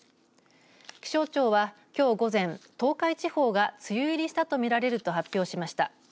気象庁は、きょう午前東海地方が梅雨入りしたとみられると発表しました。